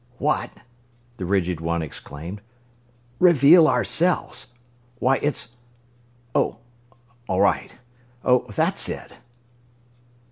"What!" the rigid one exclaimed. "Reveal ourselves! Why, it's ... Oh, all right.... Oh, that's it....